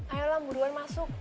ayo lah buruan masuk